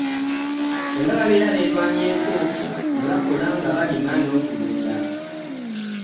Singa babeera beerwanyeeko ne bakola nga balima n'okulunda.